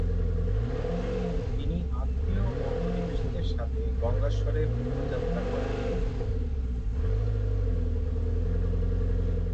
তিনি আত্মীয় ও প্রতিবেশীদের সাথে গঙ্গাশ্বরে পূণ্যযাত্রা করেন।